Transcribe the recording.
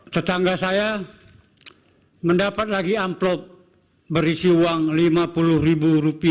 tetangga saya mendapat lagi amplop berisi uang rp lima puluh